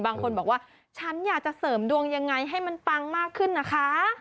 บางคนบอกว่าฉันอยากจะเสริมดวงยังไงให้มันปังมากขึ้นนะคะ